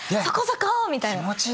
そこそこ！みたいな。